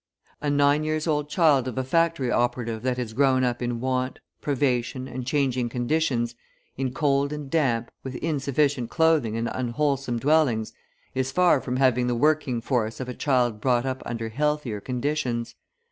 A nine years old child of a factory operative that has grown up in want, privation, and changing conditions, in cold and damp, with insufficient clothing and unwholesome dwellings, is far from having the working force of a child brought up under healthier conditions.